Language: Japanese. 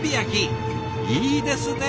いいですね！